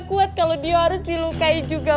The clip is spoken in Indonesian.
kuat kalau dia harus dilukai juga